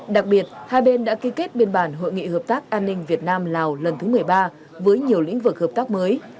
đặc biệt hai bên đã ký kết biên bản hội nghị hợp tác an ninh việt nam lào lần thứ một mươi ba với nhiều lĩnh vực hợp tác mới